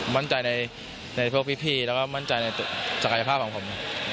มั่นใจในพวกพี่แล้วก็มั่นใจในศักยภาพของผม